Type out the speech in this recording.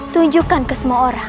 tunjukkan ke semua orang